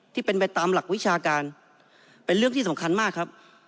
ที่เป็นไปตามหลักวิชาการเป็นเรื่องที่สำคัญมากครับ